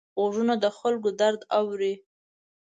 غوږونه د خلکو درد اوري